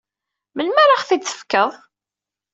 Melmi ara aɣ-t-id-tefkeḍ?